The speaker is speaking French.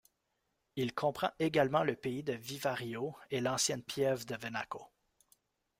Il comprend également le pays de Vivario et l'ancienne piève de Venaco.